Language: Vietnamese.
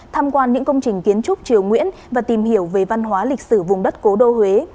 tham quan những công trình kiến trúc triều nguyễn và tìm hiểu về văn hóa lịch sử vùng đất cố đô huế